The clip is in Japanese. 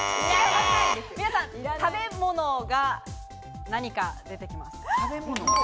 皆さん食べ物が何か出てきます。